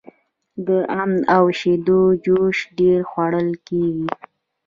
د ام او شیدو جوس ډیر خوړل کیږي.